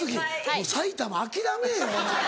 もう埼玉諦めぇよお前。